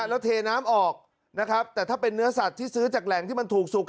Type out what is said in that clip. แล้วเทน้ำออกนะครับแต่ถ้าเป็นเนื้อสัตว์ที่ซื้อจากแหล่งที่มันถูกสุก